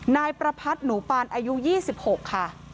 นายประพัทธ์หนูปานอายุ๒๖ค่ะ